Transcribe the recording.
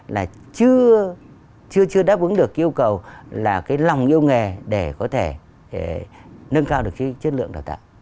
là chưa đáp ứng được yêu cầu là cái lòng yêu nghề để có thể nâng cao được cái chất lượng đào tạo